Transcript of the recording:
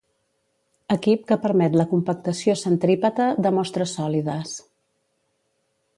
Equip que permet la compactació centrípeta de mostres sòlides.